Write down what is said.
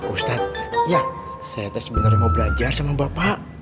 ustadz ya saya sebenarnya mau belajar sama bapak